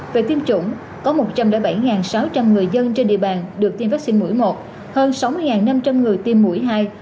về tiêm chủng có một trăm linh bảy sáu trăm linh người dân trên địa bàn được tiêm vaccine mũi một hơn sáu mươi năm trăm linh người tiêm mũi hai